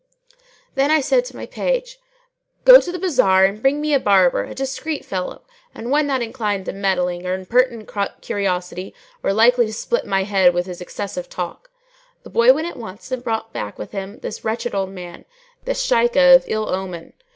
Then I said to my page, "Go to the bazar and bring me a barber, a discreet fellow and one not inclined to meddling or impertinent curiosity or likely to split my head with his excessive talk."[FN#609] The boy went out at once and brought back with him this wretched old man, this Shaykh of ill omen.